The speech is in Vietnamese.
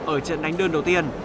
ở trận đánh đơn đầu tiên